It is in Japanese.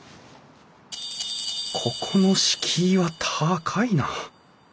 ここの敷居は高いな！